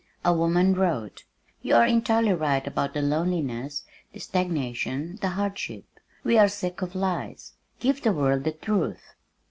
A woman wrote, "You are entirely right about the loneliness, the stagnation, the hardship. We are sick of lies. Give the world the truth."